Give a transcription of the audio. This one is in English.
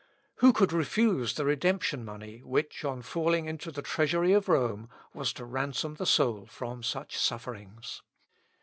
Who could refuse the redemption money which, on falling into the treasury of Rome, was to ransom the soul from such sufferings?